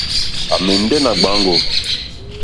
À mɛ̀ndɛ̀ nà gbàáŋgò.